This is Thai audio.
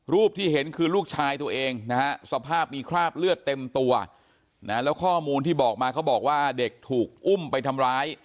ที่เห็นคือลูกชายตัวเองนะฮะสภาพมีคราบเลือดเต็มตัวนะแล้วข้อมูลที่บอกมาเขาบอกว่าเด็กถูกอุ้มไปทำร้าย